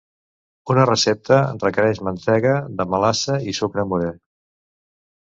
Una recepta requereix mantega, de melassa, i sucre morè.